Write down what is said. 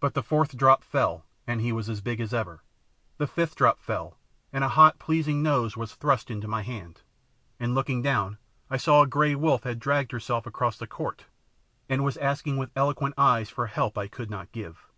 But the fourth drop fell, and he was big as ever. The fifth drop fell, and a hot, pleasing nose was thrust into my hand, and looking down I saw a grey wolf had dragged herself across the court and was asking with eloquent eyes for the help I could not give.